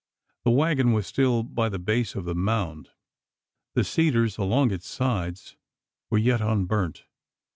The waggon was still by the base of the mound. The cedars along its sides were yet unburnt!